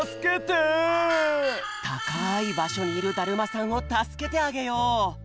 たかいばしょにいるだるまさんをたすけてあげよう！